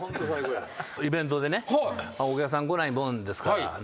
イベントでねお客さん来ないもんですから。